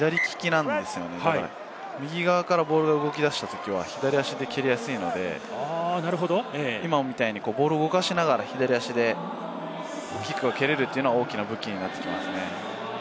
なので、右からボールが出たときは左足で蹴りやすいので、今みたいにボールを動かしながら左足でキックが蹴れるというのは大きな武器になってきますね。